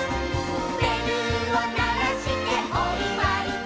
「べるをならしておいわいだ」